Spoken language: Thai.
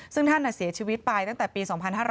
ซึ่งท่านเสียชีวิตไปตั้งแต่ปี๒๕๕๙